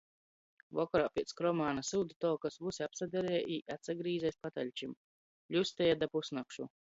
Vokorā piec Kromānu syudu tolkys vysi apsadareja i atsagrīze iz pataļčim. Ļustieja da pusnakšu!